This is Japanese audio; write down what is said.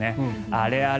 あれあれ？